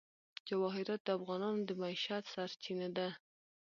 جواهرات د افغانانو د معیشت سرچینه ده.